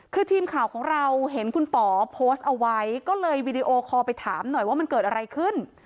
คือทีมข่าวของเราเห็นคุณป๋อโพสต์เอาไว้ก็เลยวีดีโอคอลไปถามหน่อยว่ามันเกิดอะไรขึ้น